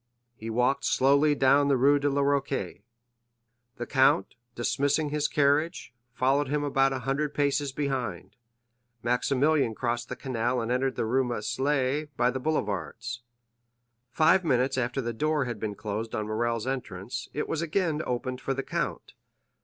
He walked slowly down the Rue de la Roquette. The count, dismissing his carriage, followed him about a hundred paces behind. Maximilian crossed the canal and entered the Rue Meslay by the boulevards. Five minutes after the door had been closed on Morrel's entrance, it was again opened for the count.